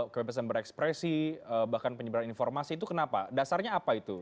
kebebasan berekspresi bahkan penyebaran informasi itu kenapa dasarnya apa itu